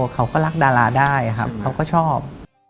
เขาก็รักดาราได้ครับเขาก็ชอบ